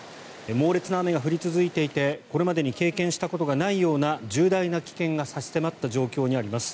猛烈な雨が降り続いていてこれまでに経験したことのないような重大な危険が差し迫った状況にあります。